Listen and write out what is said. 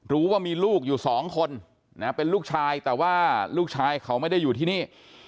รู้ว่ามีลูกอยู่สองคนนะเป็นลูกชายแต่ว่าลูกชายเขาไม่ได้อยู่ที่นี่